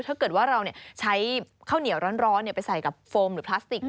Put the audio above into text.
ถ้าเกิดว่าเราใช้ข้าวเหนียวร้อนไปใส่กับโฟมหรือพลาสติก